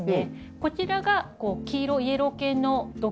こちらが黄色イエロー系の同系色の。